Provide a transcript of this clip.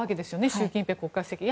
習近平国家主席は。